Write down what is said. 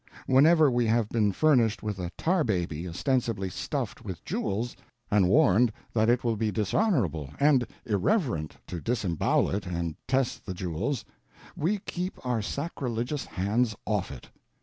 Whenever we have been furnished with a tar baby ostensibly stuffed with jewels, and warned that it will be dishonorable and irreverent to disembowel it and test the jewels, we keep our sacrilegious hands off it.